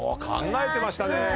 考えてましたね。